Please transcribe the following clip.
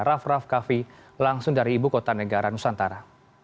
raff raff kaffi langsung dari ibu kota negara nusantara